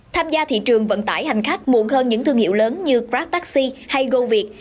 tham gia thị trường vận tải hành khách muộn hơn những thương hiệu lớn như grabtaxi hay goviet